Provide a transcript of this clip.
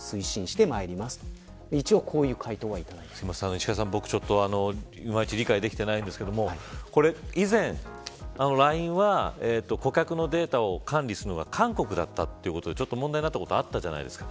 石川さん、僕ちょっといまいち理解ができてないんですけど以前、ＬＩＮＥは顧客のデータを管理するのが韓国だったということで問題になったことあったじゃないですか。